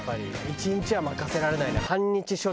一日は任せられないな。